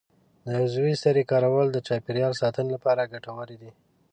د عضوي سرې کارول د چاپیریال ساتنې لپاره ګټور دي.